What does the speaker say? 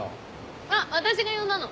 あっ私が呼んだの。